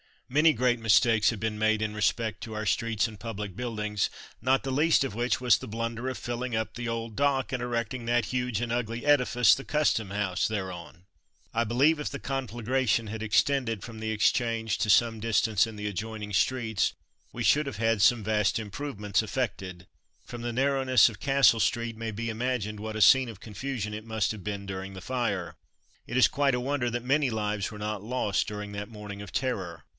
Many great mistakes have been made in respect to our streets and public buildings, not the least of which was the blunder of filling up the Old Dock, and erecting that huge and ugly edifice, the Custom house, thereon. I believe if the conflagration had extended from the Exchange to some distance in the adjoining streets, we should have had some vast improvements effected. From the narrowness of Castle street may be imagined what a scene of confusion it must have been during the fire. It is quite a wonder that many lives were not lost during that morning of terror.